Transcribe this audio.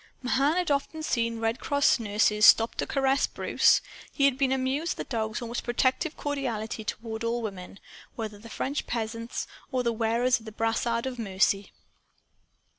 Mahan had often seen Red Cross nurses stop to caress Bruce. He had been amused at the dog's almost protective cordiality toward all women, whether the French peasants or the wearers of the brassard of mercy.